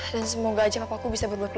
dan semoga aja papa aku bisa mencintaimu